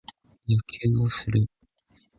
野球をする。